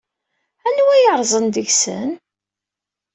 Anwa ay yerrẓen deg-sen?